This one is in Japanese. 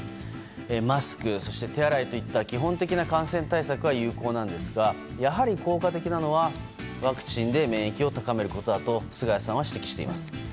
マスク、そして手洗いといった基本的な感染対策が有効なんですがやはり、効果的なのはワクチンで免疫を高めることだと菅谷さんは指摘しています。